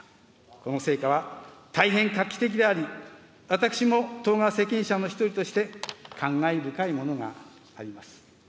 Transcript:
この成果は、大変画期的であり、私も党側責任者の一人として感慨深いものがあります。